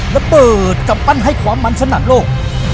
ระเปิดกลับปั้นให้ความมันสนามโลก